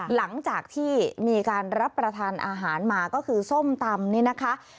หลังจากที่มีการรับประทานอาหารมาก็คือส้มตำนี่นะคะ